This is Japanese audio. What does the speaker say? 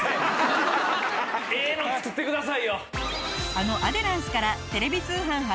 あのアデランスからテレビ通販初登場。